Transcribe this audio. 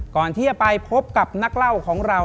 ก่อนที่จะไปพบกับนักเล่าของเรา